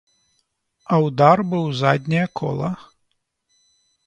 А ўдар быў у задняе кола.